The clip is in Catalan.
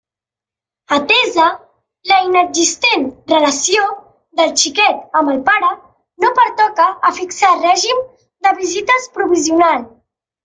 Atesa la inexistent relació del xiquet amb el pare, no pertoca a fixar règim de visites provisional.